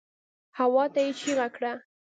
هواته يې چيغه کړه.